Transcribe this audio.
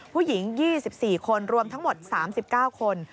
ผู้หญิง๒๔คนรวมทั้งหมด๓๙คน